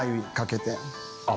あっ